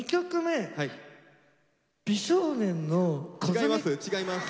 違います違います